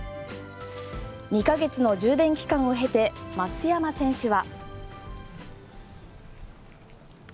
２か月の充電期間を経て松山選手は。